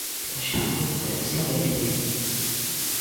Loxicamente, ¿esta lei que di?